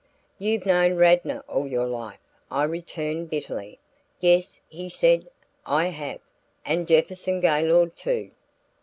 "You've known Radnor all your life," I returned bitterly. "Yes," he said, "I have and Jefferson Gaylord, too."